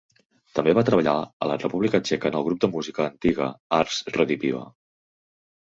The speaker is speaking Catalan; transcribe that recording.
També va treballar a la República Txeca en el grup de música antiga Ars Rediviva.